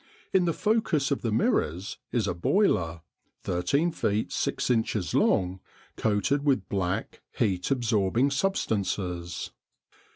In the focus of the mirrors is a boiler, 13 feet 6 inches long, coated with black, heat absorbing substances.